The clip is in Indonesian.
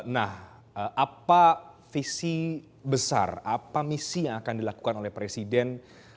nah apa visi besar apa misi yang akan dilakukan oleh presiden